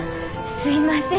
すいません。